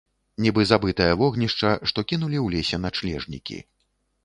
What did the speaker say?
Нібы забытае вогнішча, што кінулі ў лесе начлежнікі.